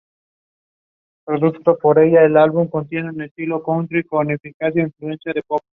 Los atributos se conectan con propiedades o eventos de esos objetos.